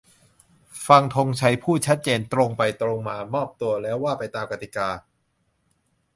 ฟัง ธงชัย พูด ชัดเจน ตรงไปตรงมา "มอบตัว" แล้วว่าไปตามกติกา